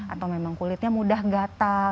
atau memang kulitnya mudah gatal